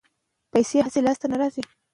که مینه وي نو وېره نه وي.